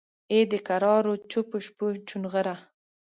ای دکرارو چوپو شپو چونغره!